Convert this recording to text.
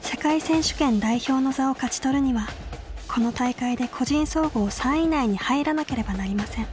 世界選手権代表の座を勝ち取るにはこの大会で個人総合３位以内に入らなければなりません。